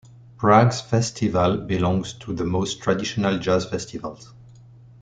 Prague's festival belongs to the most traditional jazz festivals.